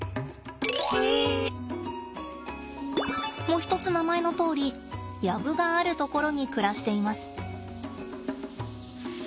もひとつ名前のとおり薮がある所に暮らしています。